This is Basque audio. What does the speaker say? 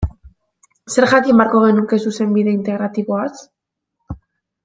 Zer jakin beharko genuke Zuzenbide Integratiboaz?